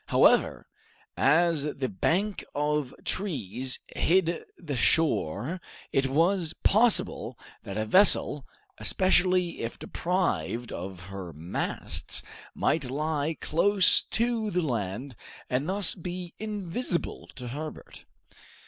However, as the bank of trees hid the shore, it was possible that a vessel, especially if deprived of her masts, might lie close to the land and thus be invisible to Herbert.